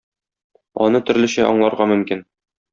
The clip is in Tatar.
Аны төрлечә аңларга мөмкин.